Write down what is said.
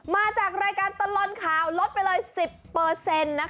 มาจากรายการตลอดข่าวลดไปเลย๑๐นะคะ